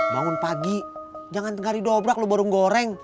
bangun pagi jangan tengah didobrak lo baru ngoreng